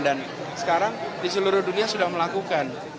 dan sekarang di seluruh dunia sudah melakukan